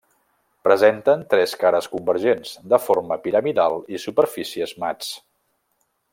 Presenten tres cares convergents, de forma piramidal i superfícies mats.